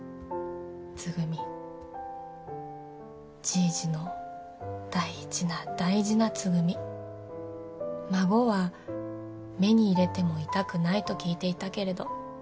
じいじの大事な大事なつぐみ」「孫は目に入れても痛くないと聞いていたけれどこれほどとは」